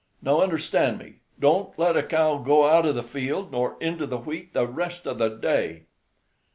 Now, understand me; don't let a cow go out of the field nor into the wheat the rest of the day."